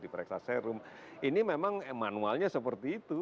diperiksa serum ini memang manualnya seperti itu